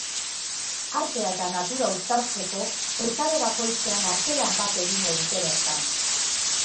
Artea eta natura uztartzeko, urtaro bakoitzean artelan bat egingo dute bertan.